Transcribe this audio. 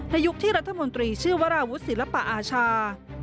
ในยุคที่รัฐมนตรีชื่อวระวุฤษฎิษฐ์ศิลปะอาชา